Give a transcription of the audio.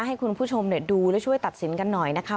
ให้คุณผู้ชมดูและช่วยตัดสินกันหน่อยนะคะ